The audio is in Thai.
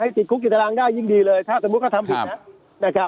ติดคุกติดตารางได้ยิ่งดีเลยถ้าสมมุติเขาทำผิดนะครับ